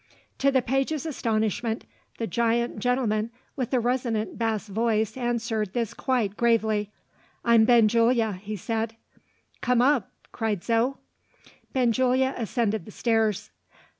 To the page's astonishment, the giant gentleman with the resonant bass voice answered this quite gravely. "I'm Benjulia," he said. "Come up!" cried Zo. Benjulia ascended the stairs.